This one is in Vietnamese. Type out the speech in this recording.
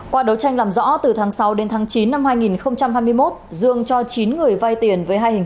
qua đấu tranh làm rõ từ tháng sáu đến tháng chín năm hai nghìn hai mươi một dương cho chín người vai tiền với hai hình